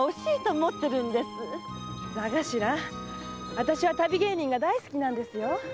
あたしは旅芸人が大好きなんですよ。